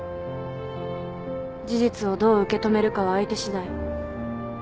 事実をどう受け止めるかは相手しだい。